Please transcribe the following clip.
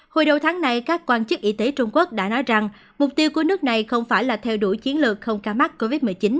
hồi đầu tháng này các quan chức y tế trung quốc đã nói rằng mục tiêu của nước này không phải là theo đuổi chiến lược không ca mắc covid một mươi chín